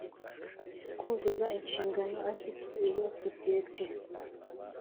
Kuzuza inshingano azi ko iyo sosiyete